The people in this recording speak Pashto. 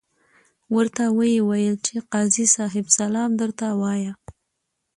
ورته ویې ویل چې قاضي صاحب سلام درته وایه.